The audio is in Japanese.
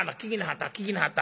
聞きなはった？